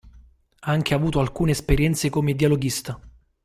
Ha anche avuto alcune esperienze come dialoghista.